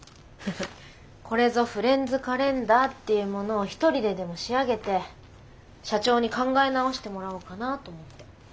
これぞフレンズカレンダーっていうものを一人ででも仕上げて社長に考え直してもらおうかなと思って。